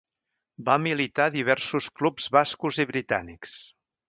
Va militar a diversos clubs bascos i britànics.